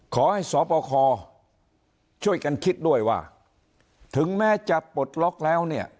ขอให้สปคช่วยกันคิดด้วยว่าถึงแม้จะปลดล็อกแล้วเนี่ย